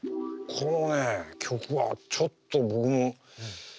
これはね曲はちょっと僕も。